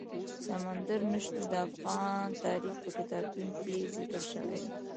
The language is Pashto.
سمندر نه شتون د افغان تاریخ په کتابونو کې ذکر شوی دي.